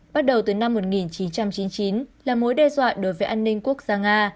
bắt đầu từ năm một nghìn chín trăm chín mươi chín là mối đe dọa đối với an ninh quốc gia nga